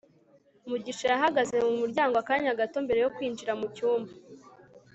mugisha yahagaze mu muryango akanya gato mbere yo kwinjira mu cyumba